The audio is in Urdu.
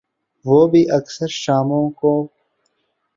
وہ بھی اکثر شاموں کو۔